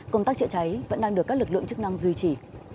công tác chữa cháy vẫn đang được các lực lượng chức năng duy trì